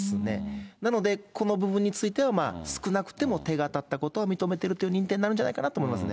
なので、この部分については少なくても手が当たったことを認めているという認定になるんじゃないかなと思いますね。